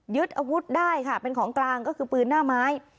อาวุธได้ค่ะเป็นของกลางก็คือปืนหน้าไม้